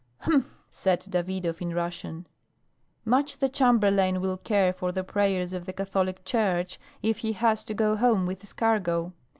"Humph!" said Davidov in Russian. "Much the Chamberlain will care for the prayers of the Catholic Church if he has to go home with his cargo.